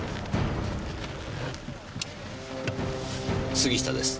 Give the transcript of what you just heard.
杉下です。